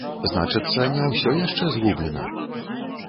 Значыцца, не ўсё яшчэ згублена!